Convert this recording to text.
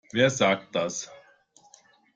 Wer sagt das?